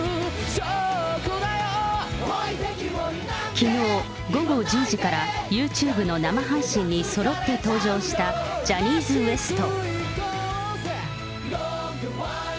きのう午後１０時からＹｏｕＴｕｂｅの生配信にそろって登場したジャニーズＷＥＳＴ。